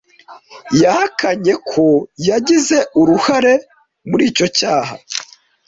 Yahakanye ko yagize uruhare muri icyo cyaha.